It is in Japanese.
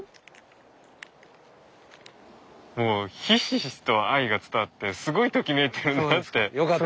もうひしひしと愛が伝わってすごいときめいてるなって。